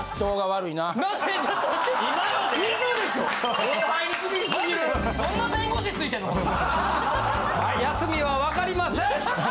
はい休みは分かりません！